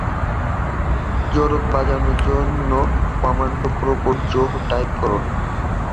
জোরক বাজানোর জন্য command প্রম্পটে "জোরক" type করুন।